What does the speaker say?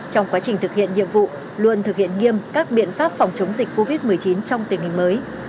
trong quá trình thực hiện nhiệm vụ luôn thực hiện nghiêm các biện pháp phòng chống dịch covid một mươi chín trong tình hình mới